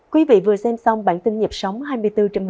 quý vị vừa xem xong bản tin nhịp sóng hai mươi bốn h bảy